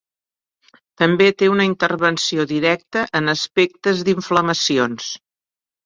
També té una intervenció directa en aspectes d'inflamacions.